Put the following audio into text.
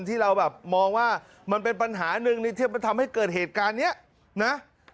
ที่เราแบบมองว่ามันเป็นปัญหาหนึ่งในที่มันทำให้เกิดเหตุการณ์นี้นะ